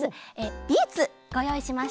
ビーツごよういしました。